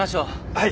はい。